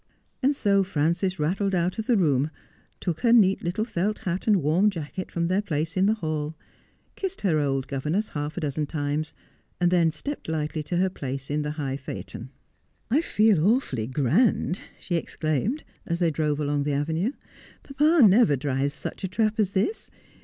And so Frances rattled out of the room, took her neat little felt hat and warm jacket from their place in the hall, kissed her old governess half a dozen times, and then stepped lightly to her place in the high phaeton. ' I feel awfully grand,' she exclaimed, as they drove along the avenue. ' Papa never drives such a trap as this.